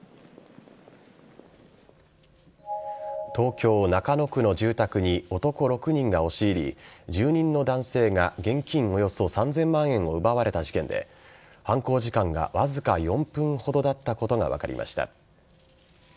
東京・中野区の住宅に男６人が押し入り住人の男性が現金およそ３０００万円を奪われた事件で犯行時間がわずか４分ほどだったことが分かりました。